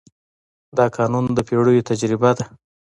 دا قانون د پېړیو تجربه ده.